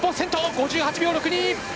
５８秒６２！